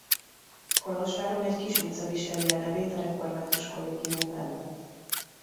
Kolozsváron egy kis utca viseli a nevét a református kollégium mellett.